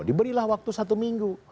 diberilah waktu satu minggu